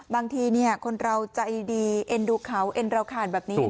บางทีคนเราใจดีเอ็นดูเขาเอ็นเราขาดแบบนี้